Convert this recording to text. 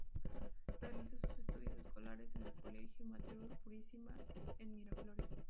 Realizó sus estudios escolares en el Colegio Mater Purísima en Miraflores.